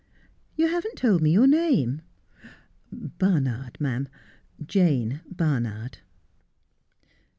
' You haven't told me your name.' ' Barnard, ma'am. Jane Barnard.'